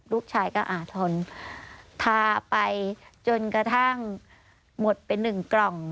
ลูกชายก็อ่าทนทาไปจนกระทั่งหมดไปหนึ่งกล่อง